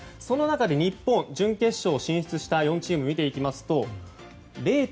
その中で日本、準決勝に進出した４チームを見ていきますと０．４１７。